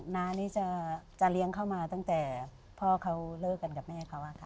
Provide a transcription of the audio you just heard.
น้านี่จะเลี้ยงเขามาตั้งแต่พ่อเขาเลิกกันกับแม่เขาอะค่ะ